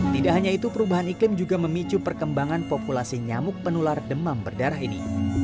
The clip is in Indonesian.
tidak hanya itu perubahan iklim juga memicu perkembangan populasi nyamuk penular demam berdarah ini